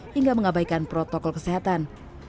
hingga mengabaikan protokol kesehatan